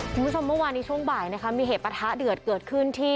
คุณผู้ชมเมื่อวานนี้ช่วงบ่ายนะคะมีเหตุประทะเดือดเกิดขึ้นที่